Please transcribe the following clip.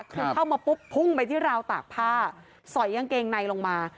คือเข้ามาปุ๊บพุ่งไปที่ราวตากผ้าสอยกางเกงในลงมา